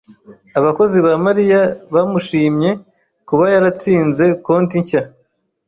Abakozi ba Mariya bamushimye kuba yaratsinze konti nshya.